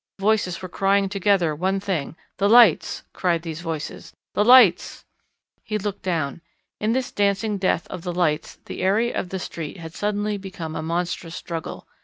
Voices were crying together one thing. "The lights!" cried these voices. "The lights!" He looked down. In this dancing death of the lights the area of the street had suddenly become a monstrous struggle.